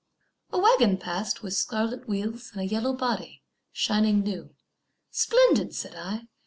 A waggon passed with scarlet wheels And a yellow body, shining new. "Splendid!" said I.